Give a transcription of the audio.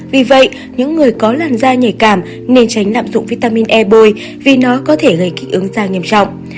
vì vậy những người có làn da nhạy cảm nên tránh lạm dụng vitamin e bôi vì nó có thể gây kích ứng da nghiêm trọng